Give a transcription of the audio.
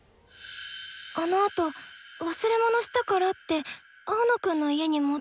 あのあと忘れ物したからって青野くんの家に戻ったの。